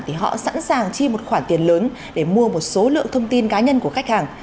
thì họ sẵn sàng chi một khoản tiền lớn để mua một số lượng thông tin cá nhân của khách hàng